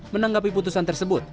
menanggapi putusan tersebut